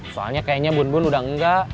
soalnya kayaknya bun bun udah enggak